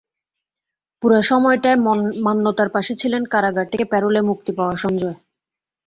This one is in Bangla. পুরো সময়টায় মান্যতার পাশে ছিলেন কারাগার থেকে প্যারোলে মুক্তি পাওয়া সঞ্জয়।